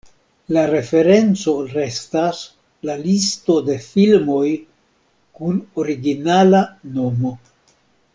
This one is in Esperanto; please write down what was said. La referenco restas la Listo de Filmoj kun originala nomo.